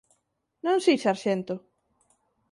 Non si, sarxento?